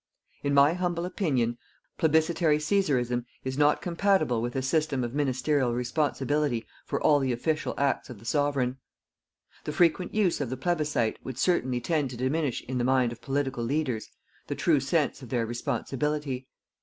In my humble opinion, PLEBISCITARY CÆSARISM is not compatible with a system of ministerial responsibility for all the official acts of the Sovereign. The frequent use of the plebiscit would certainly tend to diminish in the mind of political leaders the true sense of their responsibility.